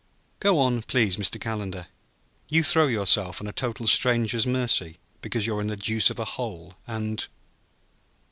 "Go on, please, Mr. Calendar. You throw yourself on a total stranger's mercy because you're in the deuce of a hole; and